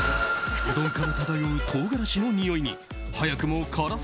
うどんから漂う唐辛子のにおいに早くも辛さ